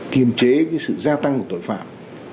kiềm chế sự gia tăng của tội phạm